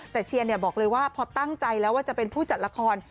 แต่เชียร์บอกเลยว่าพอตั้งใจแล้วว่าจะเป็นผู้จัดละคร